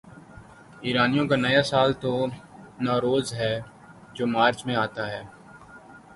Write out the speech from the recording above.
ایرانیوں کا نیا سال تو نوروز ہے جو مارچ میں آتا ہے۔